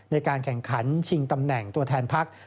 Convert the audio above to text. ในการแข่งขันชิงตำแหน่งตัวแทนพัก